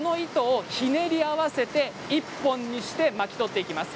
ひねり合わせて１本にして巻き取っていきます。